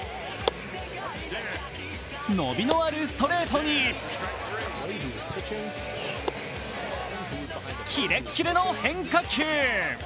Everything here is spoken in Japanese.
伸びのあるストレートにキレッキレの変化球。